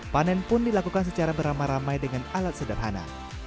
panen pun dilakukan secara beramai ramai dengan alat sederhana